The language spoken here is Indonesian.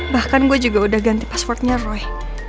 bahkan gue juga udah ganti passwordnya roy